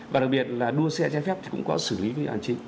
và đặc biệt là đua xe chai phép thì cũng có xử lý quy định hành chính